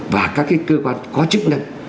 và các cái cơ quan có chức năng